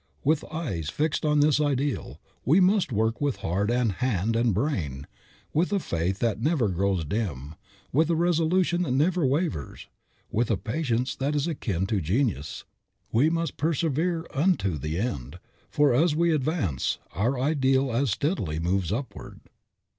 With eyes fixed on this ideal, we must work with heart and hand and brain; with a faith that never grows dim, with a resolution that never wavers, with a patience that is akin to genius, we must persevere unto the end; for, as we advance, our ideal as steadily moves upward.